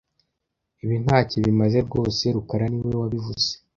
Ibi ntacyo bimaze rwose rukara niwe wabivuze